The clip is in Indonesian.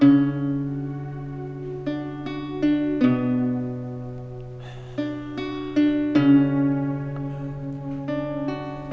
sudah lama kamu lihat